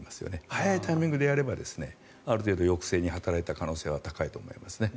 早いタイミングでやればある程度抑制に働いた可能性はありますよね。